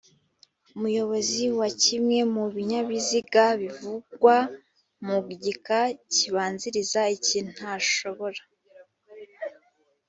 umuyobozi wa kimwe mu binyabiziga bivugwa mu gika kibanziriza iki ntashobora